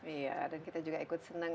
iya dan kita juga ikut senang